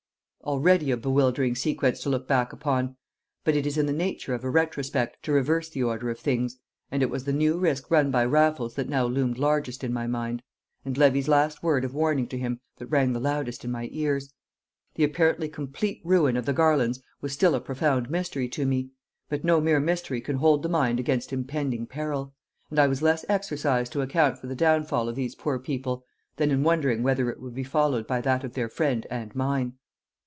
Already a bewildering sequence to look back upon; but it is in the nature of a retrospect to reverse the order of things, and it was the new risk run by Raffles that now loomed largest in my mind, and Levy's last word of warning to him that rang the loudest in my ears. The apparently complete ruin of the Garlands was still a profound mystery to me. But no mere mystery can hold the mind against impending peril; and I was less exercised to account for the downfall of these poor people than in wondering whether it would be followed by that of their friend and mine.